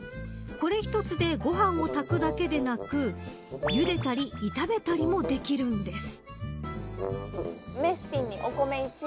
これ１つでご飯を炊くだけでなくゆでたり炒めたりもできるんです。